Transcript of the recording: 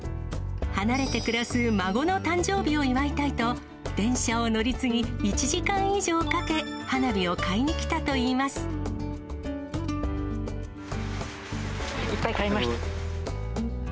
離れて暮らす孫の誕生日を祝いたいと、電車を乗り継ぎ、１時間以上かけ、いっぱい買いました。